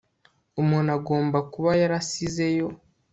umuntu agomba kuba yarasizeyo